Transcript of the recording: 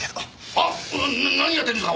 あっ何やってんですか！？